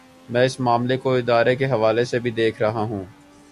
میں اس معاملے کو ادارے کے حوالے سے بھی دیکھ رہا ہوں۔